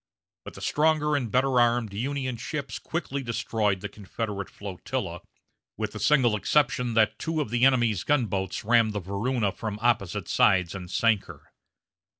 But the stronger and better armed Union ships quickly destroyed the Confederate flotilla, with the single exception that two of the enemy's gunboats rammed the Varuna from opposite sides and sank her.